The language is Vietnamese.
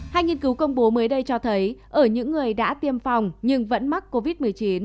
hai nghiên cứu công bố mới đây cho thấy ở những người đã tiêm phòng nhưng vẫn mắc covid một mươi chín